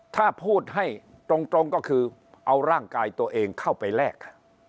ถ้าพูดให้ตรงก็คือเอาร่างกายตัวเองเข้าไปแลก